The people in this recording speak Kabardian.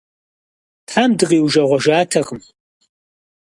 Тхьэм дыкъиужэгъужатэкъым.